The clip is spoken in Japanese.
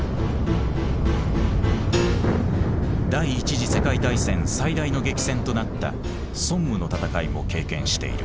第一次世界大戦最大の激戦となったソンムの戦いも経験している。